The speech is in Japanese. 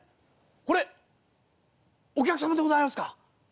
これお客様でございますか？